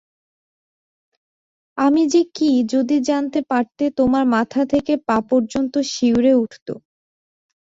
আমি যে কী যদি জানতে পারতে তোমার মাথা থেকে পা পর্যন্ত শিউরে উঠত।